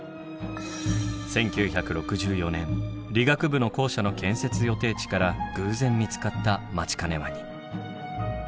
１９６４年理学部の校舎の建設予定地から偶然見つかったマチカネワニ。